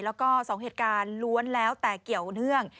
แล้วก็๒เหตุการณ์ล้วนแล้วแต่เกี่ยวเนื่อง